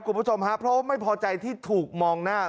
คุณผู้ชมฮะเพราะว่าไม่พอใจที่ถูกมองหน้า